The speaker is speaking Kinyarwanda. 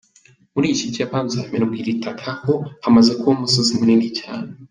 Muri iki kibanza hamenwa iri taka ho hamaze kuba umusozi munini cyane.